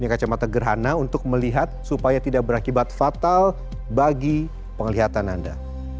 kacamata gerhana untuk melihat supaya tidak berakibat fatal bagi penglihatan anda